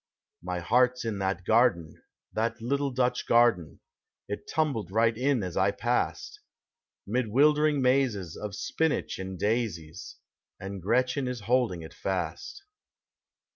My heart 's in that garden, that little Dutch garden It tumbled right in as I passed, Mid wildering mazes of spinach and daisies. And Gretchen is holding it fast.